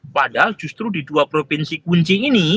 padahal justru di dua provinsi kunci ini